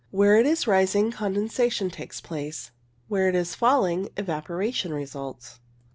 Where it is rising condensation takes place, where it is falling evaporation results.